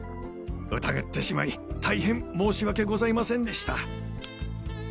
疑ってしまい大変申し訳ございませんでした。